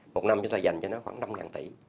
một năm chúng ta dành cho nó khoảng năm tỷ